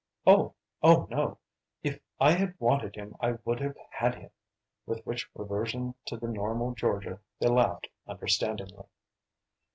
"No, oh no if I had wanted him I would have had him," with which reversion to the normal Georgia they laughed understandingly.